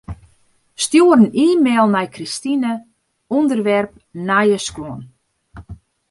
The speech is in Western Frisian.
Stjoer in e-mail nei Kristine, ûnderwerp nije skuon.